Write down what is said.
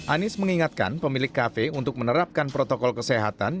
anies mengingatkan pemilik kafe untuk menerapkan protokol kesehatan